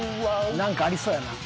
何かありそうやな。